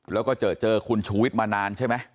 แล้วก็เจอคุณชูวิทย์มานานใช่ไหม